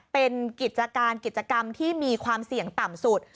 เป็นกิจการกิจกรรมที่มีความเสี่ยงต่ำสุด